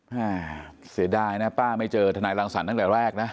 แม่เสียดายนะป้าไม่เจอทนายรังสรรค์ตั้งแต่แรกนะ